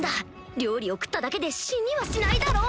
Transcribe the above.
料理を食っただけで死にはしないだろう